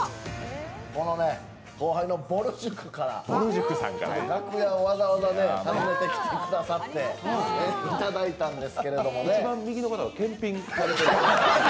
このね、後輩のぼる塾から楽屋をわざわざ訪ねてきてくださっていただいたんです。